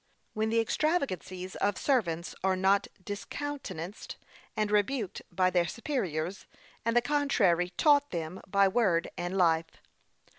When the extravagancies of servants are not discountenanced and rebuked by their superiors, and the contrary taught them by word and life.